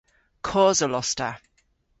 Kosel os ta.